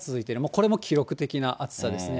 これも記録的な暑さですね。